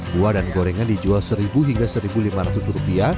buah dan gorengan dijual rp satu hingga rp satu lima ratus